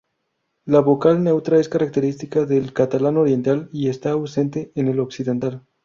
La vocal neutra es característica del catalán oriental y está ausente en el occidental.